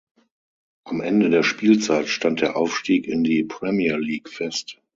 Am Ende der Spielzeit stand der Aufstieg in die Premier League fest.